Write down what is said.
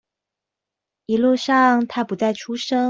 一路上他不再出聲